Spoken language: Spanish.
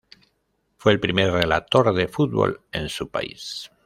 Fue el primer relator de fútbol en su país.